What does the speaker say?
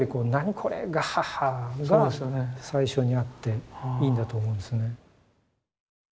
これガッハッハ」が最初にあっていいんだと思うんですよね。